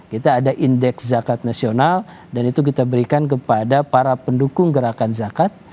kita ada indeks zakat nasional dan itu kita berikan kepada para pendukung gerakan zakat